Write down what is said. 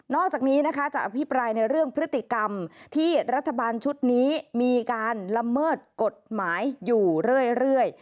อกจากนี้นะคะจะอภิปรายในเรื่องพฤติกรรมที่รัฐบาลชุดนี้มีการละเมิดกฎหมายอยู่เรื่อย